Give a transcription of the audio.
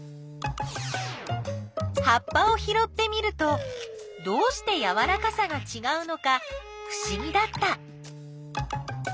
葉っぱをひろってみるとどうしてやわらかさがちがうのかふしぎだった。